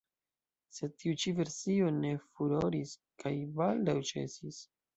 Sed tiu ĉi versio ne furoris kaj baldaŭ ĉesis.